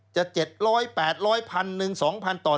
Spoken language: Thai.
จะ๗๐๐๘๐๐พันหนึ่ง๒พันต่อเดือน